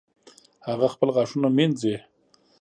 هغه خپل غاښونه مینځي